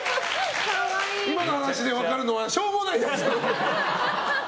今の話で分かるのはしょうもないやつ！